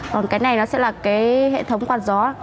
còn cái này nó sẽ là hệ thống quạt gió